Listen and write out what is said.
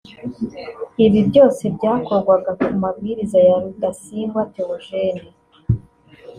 ibi byose byakorwaga ku mabwiriza ya Rudasingwa Theogene